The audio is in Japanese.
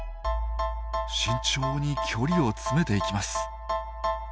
慎重に距離を詰めていきます。